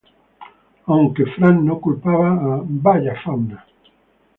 Aunque Frank no culpaba a "¡Vaya fauna!